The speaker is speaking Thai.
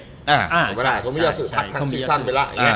ธรรมิยาสุทัศน์ไปแล้ว